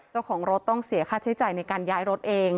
เจ้าของรถต้องเสียค่าใช้จ่ายในการย้ายรถเอง